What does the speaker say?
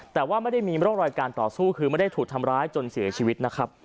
แต่ว่าไม่ได้มีร่อยการต่อสู้ไม่ถูกทำร้ายจนเสียชีวิต